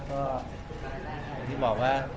ก็อย่างที่บอกว่า